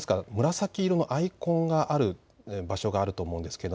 紫色のアイコンがある場所があると思います。